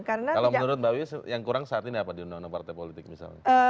kalau menurut mbak wiwi yang kurang saat ini apa di undang undang partai politik misalnya